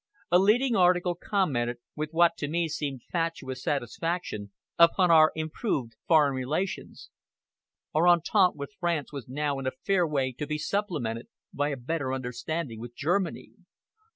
A leading article commented, with what to me seemed fatuous satisfaction, upon our improved foreign relations. Our entente with France was now in a fair way to be supplemented by a better understanding with Germany.